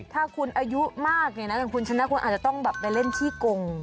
ถ้าคุณอายุมากเนี่ยนะอย่างคุณชนะคุณอาจจะต้องแบบไปเล่นขี้กง